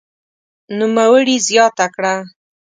نوموړي زياته کړه